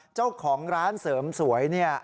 เจ้าของร้านเสริมสวยเนี่ย